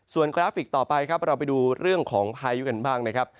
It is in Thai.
ส่วนกราฟิกต่อไปครับเราไปดูเรื่องของพายุกันบ้างนะครับ